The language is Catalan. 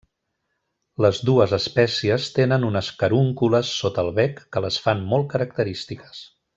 Les dues espècies tenen unes carúncules sota el bec que les fan molt característiques.